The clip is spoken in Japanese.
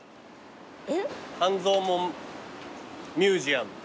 半蔵門ミュージアム。